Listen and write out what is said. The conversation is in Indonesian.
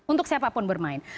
untuk siapapun bermain